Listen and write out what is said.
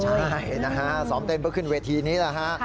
ใช่นะฮะซ้อมเต้นเพื่อขึ้นเวทีนี้แหละฮะ